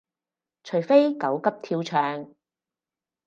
除非狗急跳墻